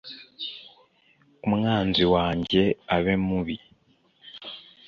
Umwanzi wanjye abe mubi